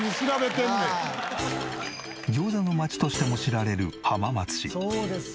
餃子の街としても知られる浜松市。